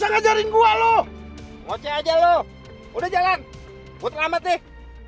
nggak jaring gua loh ngomong aja loh udah jalan buat amat nih